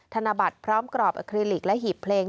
ธนบัตรพร้อมกรอบอคลิลิกและหีบเพลง